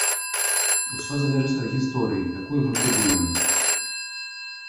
Усё залежыць ад гісторыі, якую мы прыдумаем.